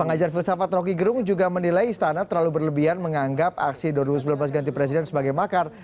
pengajar filsafat rocky gerung juga menilai istana terlalu berlebihan menganggap aksi dua ribu sembilan belas ganti presiden sebagai makar